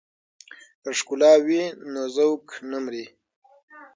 که ښکلا وي نو ذوق نه مري.